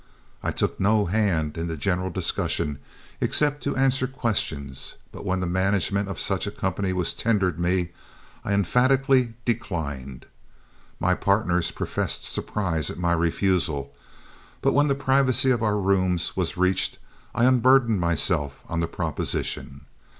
I took no hand in the general discussion, except to answer questions, but when the management of such a company was tendered me, I emphatically declined. My partners professed surprise at my refusal, but when the privacy of our rooms was reached I unburdened myself on the proposition.